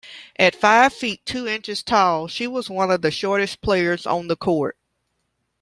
At five-feet-two-inches tall, she was one of the shortest players on the court.